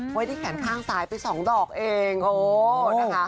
ไว้ที่แขนข้างซ้ายไปสองดอกเองโอ้นะคะ